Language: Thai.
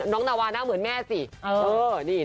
นาวาหน้าเหมือนแม่สิ